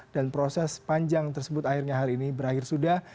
dan proses panjang tersebut akhirnya hari ini berakhir sudah